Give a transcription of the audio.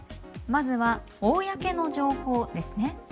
まずは公の情報ですね。